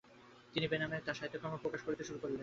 তিনি বেনামে তার সাহিত্যকর্ম প্রকাশ করতে শুরু করেন।